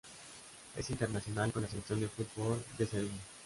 Es internacional con la selección de fútbol de Serbia.